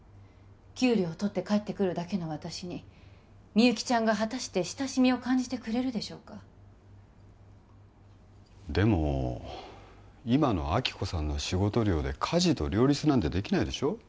給料を取って帰ってくるだけの私にみゆきちゃんが果たして親しみを感じてくれるでしょうかでも今の亜希子さんの仕事量で家事と両立なんてできないでしょ